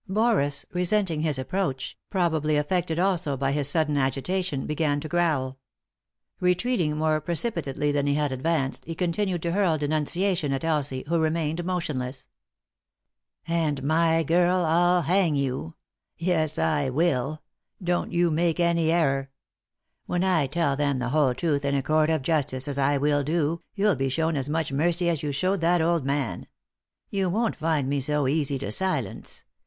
Boris, resenting his approach, probably affected also by bis sudden agitation, began to growl. Retreating more precipitately than he had advanced, he continued to hurl denunciation at Elsie, who remained motionless. "And, my girl, I'll hang you 1 — yes, I will I don't *75 3i 9 iii^d by Google THE INTERRUPTED KISS you make any error I When I tell them the whole truth, in a court of justice, as I will do, you'll be shown as much mercy as you showed that old man. Yon won't find me so easy to silence.